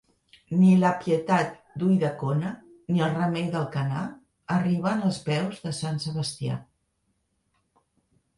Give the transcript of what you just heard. Ni la Pietat d'Ulldecona, ni el Remei d'Alcanar arriben als peus de Sant Sebastià.